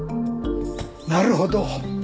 なるほど。